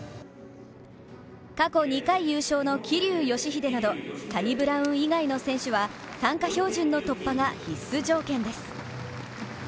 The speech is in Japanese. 過去２回優勝の桐生祥秀などサニブラウン以外の選手は参加標準の突破が必須条件です。